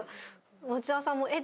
町田さんもえっ？